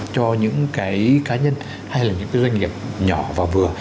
cho những cái cá nhân hay là những cái doanh nghiệp nhỏ và vừa